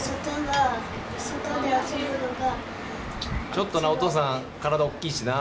ちょっとなお父さん体大きいしな。